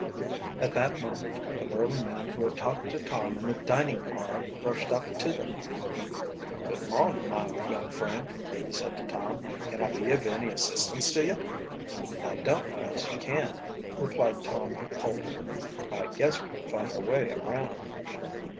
At that moment the burly man who had talked to Tom in the dining car brushed up to them. "Good morning, my young friend," he said to Tom. "Can I be of any assistance to you?" "It I don't know as you can," replied Tom coldly. "I guess we can find our way around."